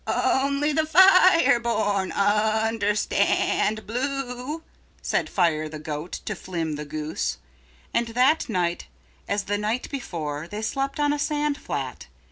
"Only the fire born understand blue," said Fire the Goat to Flim the Goose. And that night as the night before they slept on a sand flat.